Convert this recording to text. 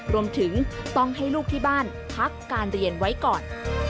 รวมถึงต้องให้ลูกที่บ้านพักการเรียนไว้ก่อน